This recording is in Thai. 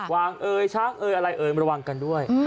วางเอ่ยช้างเอ่ยอะไรเอ่ยมาระวังกันด้วย